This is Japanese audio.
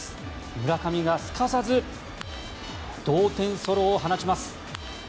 村上がすかさず同点ソロを放ちます。